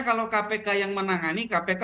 kalau kpk yang menangani kpk